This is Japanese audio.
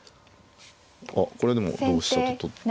あっこれでも同飛車と取って。